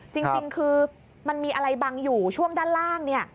จริงคือมันมีอะไรบังอยู่ช่วงด้านล่าง